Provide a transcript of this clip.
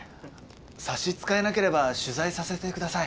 差し支えなければ取材させてください。